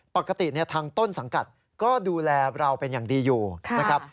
ปกติทางต้นสังกัดก็ดูแลเราเป็นอย่างดีอยู่นะครับ